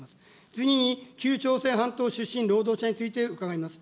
次に旧朝鮮半島出身労働地位協定について、伺いたいと思います。